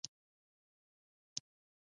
مصنوعي ځیرکتیا د حساب ورکونې کچه لوړوي.